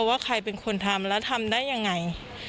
ว่าใครเป็นคนทำแล้วทำได้ยังไง